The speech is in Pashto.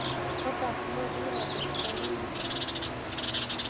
پټه خوله دي بهتري ده